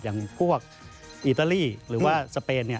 อย่างพวกอิตาลีหรือว่าสเปน